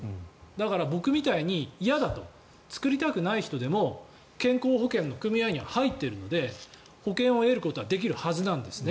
だから僕みたいに嫌だと作りたくない人でも健康保険の組合員には入っているので保険を得ることはできるはずなんです。